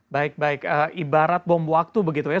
baik baik ibarat bom waktu begitu ya